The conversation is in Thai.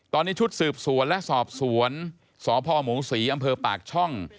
ตอนนี้ชุดสืบสวนและสอบสวนสพหมูศรีอำเภอปากช่อง